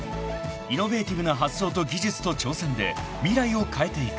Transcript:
［イノベーティブな発想と技術と挑戦で未来を変えていく］